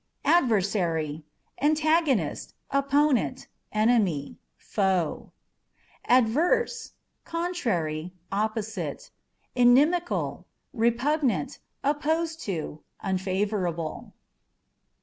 Adversary â€" antagonist, opponent, enemy, foe. Adverse â€" contrary, opposite ; inimical ; repugnant, opposed to ; unfavorable.